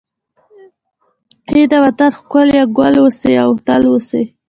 ای د وطن ښکليه، ګل اوسې او تل اوسې